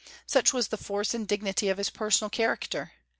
Such was the force and dignity of his personal character.